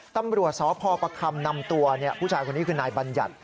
ตำรวจสพประคำนำตัวผู้ชายคนนี้คือนายบัญญัติ